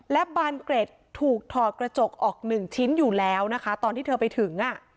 และบานเกร็ดถูกถอดกระจกออกหนึ่งชิ้นอยู่แล้วนะคะตอนที่เธอไปถึงอ่ะ